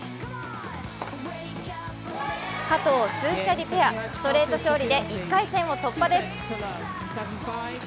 加藤・スーチャディペア、ストレート勝利で１回戦を突破です。